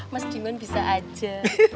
mas diman bisa aja